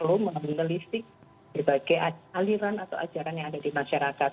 mungkin perlu meneliti sebagai aliran atau ajaran yang ada di masyarakat